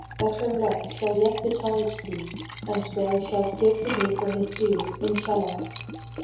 Better luck shall yet betide thee and thou shalt give the baker his due, Inshallah."